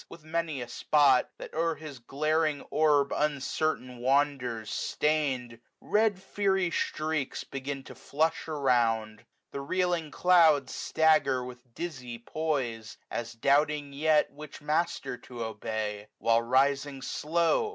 With many a spot, that o'er his glaring orb Uncertain wanders, stain'd ; red fiery streaks 120 Begin to flush around. The reeling clouds Stagger with dizzy poise, as doubting yet Which master to obey : while rising slow.